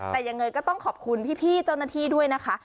แต่ยังไงก็ต้องขอบคุณพี่เจ้าหน้าที่ด้วยนะคะ